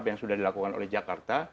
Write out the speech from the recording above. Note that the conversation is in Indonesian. apa yang sudah dilakukan oleh jakarta